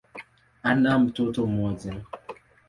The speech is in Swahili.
Ana mtoto mmoja.